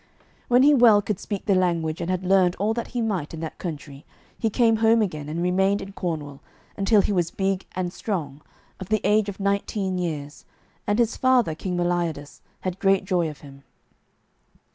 When he well could speak the language and had learned all that he might in that country, he came home again, and remained in Cornwall until he was big and strong, of the age of nineteen years, and his father, King Meliodas, had great joy of him.